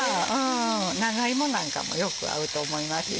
ナガイモなんかもよく合うと思いますよ。